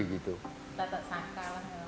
kita tidak sangka